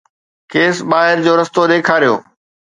کيس ٻاهر جو رستو ڏيکاريو